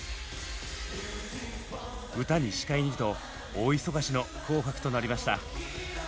歌に司会にと大忙しの「紅白」となりました。